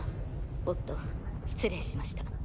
おっと失礼しました。